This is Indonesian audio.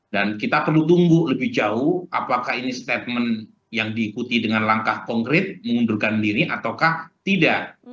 dan kita perlu tunggu lebih jauh apakah ini statement yang diikuti dengan langkah konkret mengundurkan diri ataukah tidak